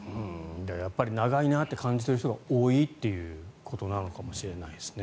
じゃあやっぱり長いなと感じている人が多いということなのかもしれないですね。